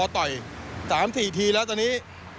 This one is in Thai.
ต่อย๓๔ทีแล้วตอนนี้